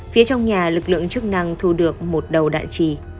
phía trong nhà lực lượng chức năng thu được một đầu đại trì